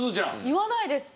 言わないです。